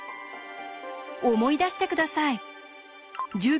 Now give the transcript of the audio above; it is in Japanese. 思い出して下さい。